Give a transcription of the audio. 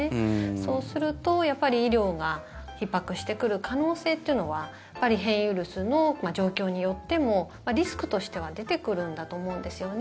そうすると、やっぱり医療がひっ迫してくる可能性というのは変異ウイルスの状況によってもリスクとしては出てくるんだと思うんですよね。